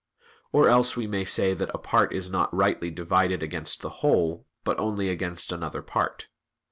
Or else we may say that a part is not rightly divided against the whole, but only against another part.